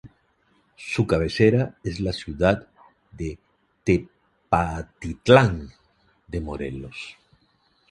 Su cabecera es la ciudad de Tepatitlán de Morelos.